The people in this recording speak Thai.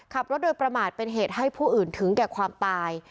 ขับรถโดยประมาทเป็นเหตุให้ผู้อื่นถึงแก่ความตาย